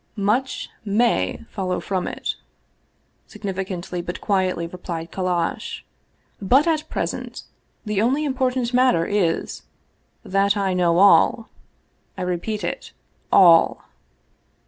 " Much may follow from it," significantly but quietly replied Kallash. " But at present the only important mat ter is, that I know all. I repeat it all."